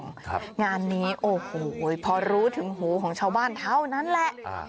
เพราะว่าพอรู้ถึงของชาวบ้านเท่านั้นแหละ